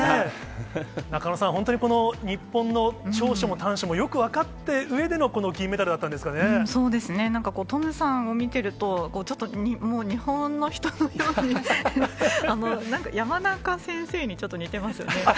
中野さん、本当にこの日本の長所も短所もよく分かったうえでのこの銀メダルそうですね、なんかトムさんを見てると、ちょっと日本の人のように、なんか山中先生にちょっと似てますね。